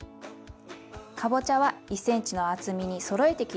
かぼちゃは１ｃｍの厚みにそろえて切ります。